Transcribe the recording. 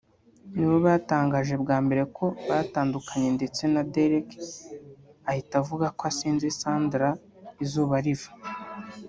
ni bo batangaje bwa mbere ko batandukanye ndetse na Derek ahita avuga ko asenze Sandra Teta izuba riva